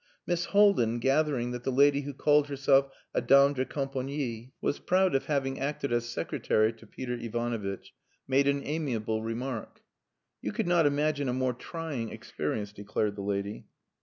Miss Haldin, gathering that the lady who called herself a dame de compangnie was proud of having acted as secretary to Peter Ivanovitch, made an amiable remark. "You could not imagine a more trying experience," declared the lady.